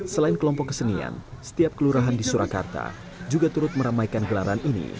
selain kelompok kesenian setiap kelurahan di surakarta juga turut meramaikan gelaran ini